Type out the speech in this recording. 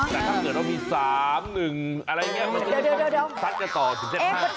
แต่ถ้าเกิดต้องมี๓๑อะไรอย่างเงี้ยมันก็จะต่อถึงเซ็ต๕